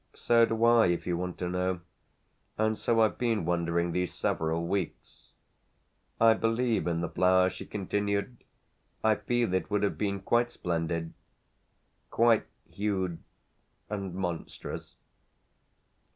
"So do I, if you want to know; and so I've been wondering these several weeks. I believe in the flower," she continued, "I feel it would have been quite splendid, quite huge and monstrous."